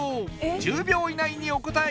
１０秒以内にお答え